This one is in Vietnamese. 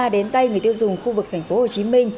đến tay người tiêu dùng khu vực tp hcm